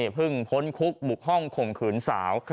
เพิ่งพ้นคุกบุกห้องข่มขื่นสาว